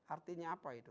artinya apa itu